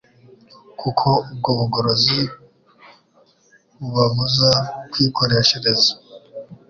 kuko ubwo bugorozi bubabuza kwikoreshereza